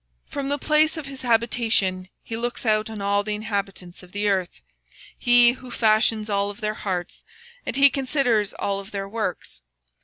From the place of his habitation he looketh Upon all the inhabitants of the earth. He fashioneth their hearts alike; He considereth all their works.